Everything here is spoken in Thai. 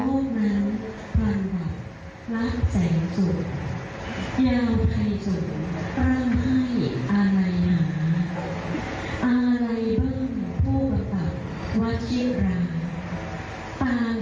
พ่อกับแม่เสียใจต่างหรืออิ่มคุณและผู้สิ่งหายว่าดับตรงนั้น